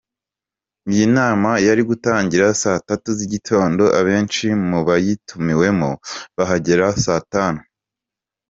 Iyi nama yari gutangira saa tatu z’igitondo, abenshi mu bayitumiwemo bahagera saa tanu.